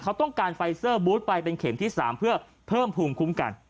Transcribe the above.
เขาต้องการไฟเซอร์บูธไปเป็นเข็มที่๓เพื่อเพิ่มภูมิคุ้มกัน